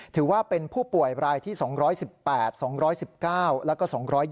ถือว่าเป็นผู้ป่วยรายที่๒๑๘๒๑๙แล้วก็๒๒